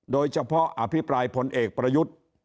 โดยเฉพาะอภิปรายพลเอกประยุทธ์